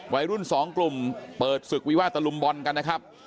วัยรุ่นสองกลุ่มเปิดศึกวิวาดตะลุมบอลกันนะครับ